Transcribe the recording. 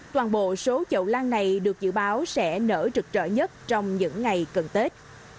toàn bộ số chậu lan này được dự báo sẽ nở trực trở nhất trong những ngày cần tết